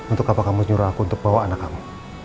untuk apa kamu nyuruh aku untuk bawa anak kamu